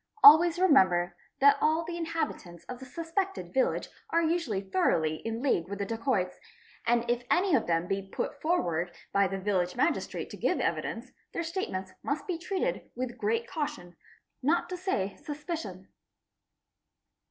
Always remember that all the inhabitants of the suspected village "are usually throughly in league with the dacoits, and if any of them be ut forward by the village magistrate to give evidence, their statements must be treated with great caution, not to say suspicion.